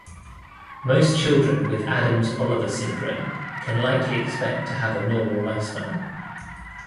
Most children with Adams-Oliver syndrome can likely expect to have a normal life span.